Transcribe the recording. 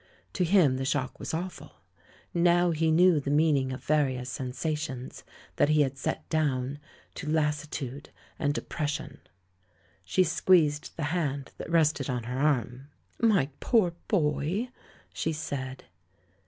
To him the shock was awful. Now he knew the meaning of various sensations that he had set down to "lassitude" and "depression"! She squeezed the hand that rested on her arm. "My poor boy!" she said.